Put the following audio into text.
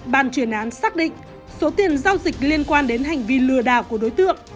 bàn chuyển án xác định số tiền giao dịch liên quan đến hành vi lừa đảo của đối tượng